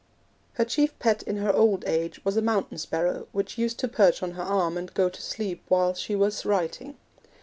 Her chief pet in her old age was a mountain sparrow, which used to perch on her arm and go to sleep there while she was writing.